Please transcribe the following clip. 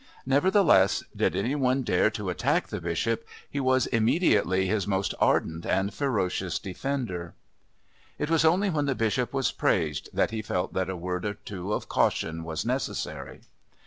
Nevertheless, did any one dare to attack the Bishop, he was immediately his most ardent and ferocious defender. It was only when the Bishop was praised that he felt that a word or two of caution was necessary.